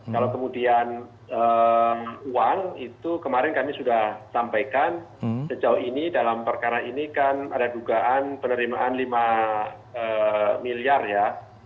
kalau kemudian uang itu kemarin kami sudah sampaikan sejauh ini dalam perkara ini kan ada dugaan penerimaan lima miliar ya